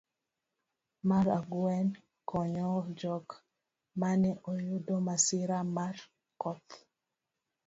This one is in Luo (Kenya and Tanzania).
mar ang'wen, konyo jok mane oyudo masira mar koth